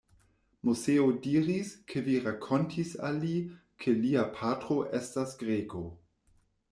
Moseo diris, ke vi rakontis al li, ke lia patro estas Greko.